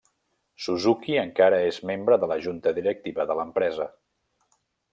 Suzuki encara és membre de la junta directiva de l'empresa.